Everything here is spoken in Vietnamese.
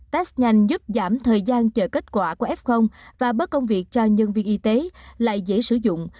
test nhanh giúp giảm thời gian chờ kết quả của f và bớt công việc cho nhân viên y tế lại dễ sử dụng